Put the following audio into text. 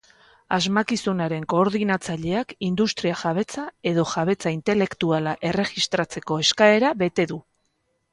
Asmakizunaren koordinatzaileak industria-jabetza edo jabetza intelektuala erregistatzeko eskaera bete du.